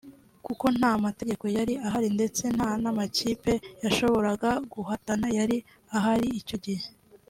kuko nta mategeko yari ahari ndetse nta n’amakipe yashoboraga guhatana yari ahari icyo gihe